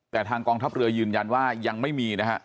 แต่ทางกองทัพเรือยืนยันว่ายังไม่มีนะฮะ